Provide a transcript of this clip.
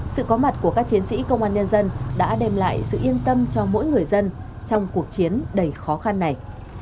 sự có mặt của các chiến sĩ công an nhân dân đã đem lại sự yên tâm cho mỗi người dân trong cuộc chiến đầy khó khăn này